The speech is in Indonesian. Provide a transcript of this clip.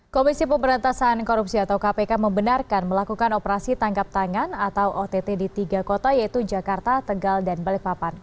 komisi pemberantasan korupsi atau kpk membenarkan melakukan operasi tangkap tangan atau ott di tiga kota yaitu jakarta tegal dan balikpapan